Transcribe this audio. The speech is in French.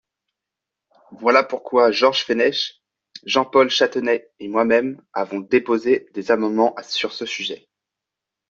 Voilà pourquoi Georges Fenech, Jean-Paul Chanteguet et moi-même avons déposé des amendements sur ce sujet.